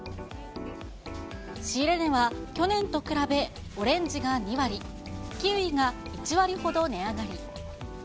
仕入れ値は去年と比べオレンジが２割、キウイが１割ほど値上がり。